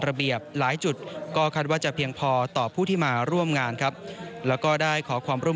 รอบเร็วที่มีแต่วัดประชาชนลมารองรับประชาชนตลอดทั้งวันด้วย